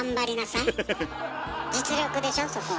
実力でしょそこは。